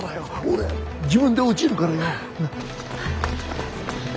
俺自分で落ちるからよなっ。